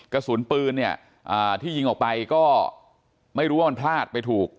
กระสุนปืนเนี่ยที่ยิงออกไปก็ไม่รู้ว่ามันพลาดไปถูก